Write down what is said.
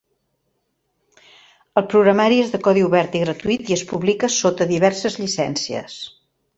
El programari és de codi obert i gratuït i es publica sota diverses llicències.